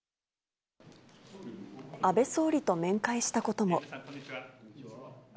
安倍総理と面会したことも。